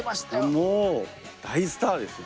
もう大スターですよ。